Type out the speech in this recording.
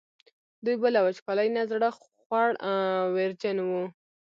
دوی به له وچکالۍ نه زړه خوړ ویرجن وو.